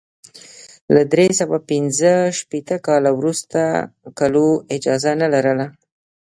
له درې سوه پنځه شپېته کال وروسته کلو اجازه نه لرله.